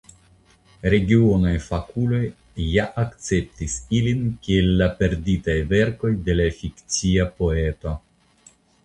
Regionaj fakuloj ja akceptis ilin kiel la perditaj verkoj de la fikcia poeto.